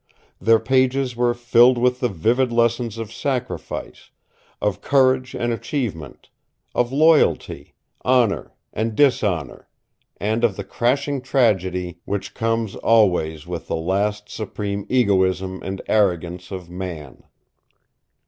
Their pages were filled with the vivid lessons of sacrifice, of courage and achievement, of loyalty, honor and dishonor and of the crashing tragedy which comes always with the last supreme egoism and arrogance of man.